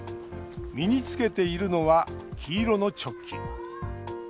身に着けているのは黄色のチョッキ。